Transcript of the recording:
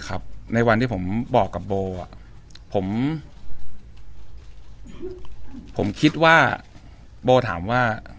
ในวันที่ผมบอกกับโบอ่ะผมผมคิดว่าโบถามว่า